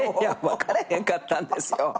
分からへんかったんですよ。